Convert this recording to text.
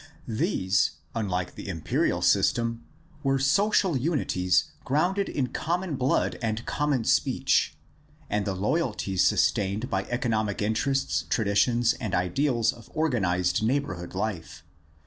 These, unlike the imperial system, were social unities grounded in common blood and common speech and the loyalties sustained by economic interests, traditions, and ideals of organized neighborhood life.